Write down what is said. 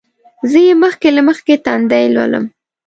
زه یې مخکې له مخکې تندی لولم.